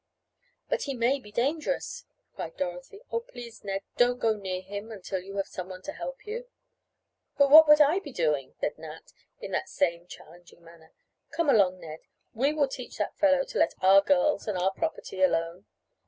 "But he may be dangerous," cried Dorothy. "Oh, please Ned, don't go near him until you have someone to help you!" "And what would I be doing?" said Nat, in that same challenging manner. "Come along, Ned. We will teach that fellow to let our girls and our property alone."